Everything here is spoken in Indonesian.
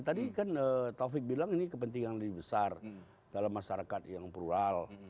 tadi kan taufik bilang ini kepentingan lebih besar dalam masyarakat yang plural